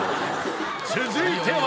［続いては］